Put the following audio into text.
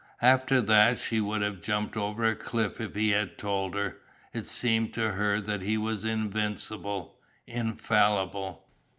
After that she would have jumped over a cliff if he had told her. It seemed to her that he was invincible infallible.